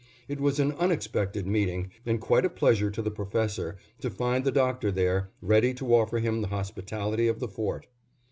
It was an unexpected meeting and quite a pleasure to the Professor to find the Doctor there, ready to offer him the hospitality of the fort.